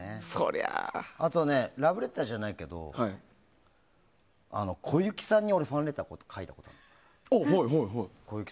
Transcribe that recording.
あとねラブレターじゃないけど小雪さんに、俺ファンレター書いたんです。